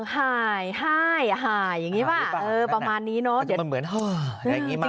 หายหายหายหายอย่างงี้ปะเป็นประมาณนี้นะ